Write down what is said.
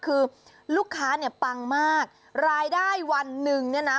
คือลูกค้าเนี่ยปังมากรายได้วันหนึ่งเนี่ยนะ